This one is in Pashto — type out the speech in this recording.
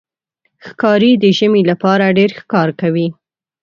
ښکاري د ژمي لپاره ډېر ښکار کوي.